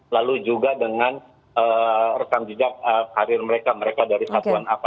lalu juga dengan rekam jejak karir mereka mereka dari satuan apa